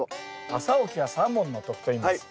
朝起きは三文の徳といいます。